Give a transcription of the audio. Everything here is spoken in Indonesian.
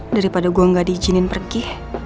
daripada gue gak diizinin pergi